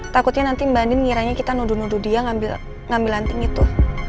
takutnya nanti mbak andin ngiranya kita nuduh nuduh dia ngambil anting itu